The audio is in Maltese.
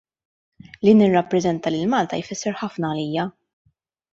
Li nirrappreżenta lil Malta jfisser ħafna għalija.